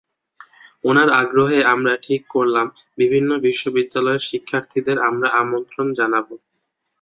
ওনার আগ্রহে আমরা ঠিক করলাম, বিভিন্ন বিশ্ববিদ্যালয়ের শিক্ষার্থীদের আমরা আমন্ত্রণ জানাব।